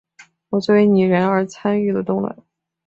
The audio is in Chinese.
我作为女人而参与了动乱。